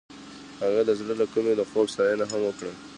هغې د زړه له کومې د خوب ستاینه هم وکړه.